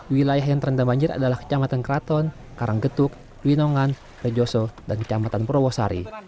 wilayah yang terendam banjir adalah kecamatan kraton karanggetuk winongan rejoso dan kecamatan purwosari